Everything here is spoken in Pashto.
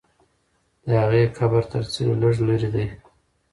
د هغې قبر تر څلي لږ لرې دی.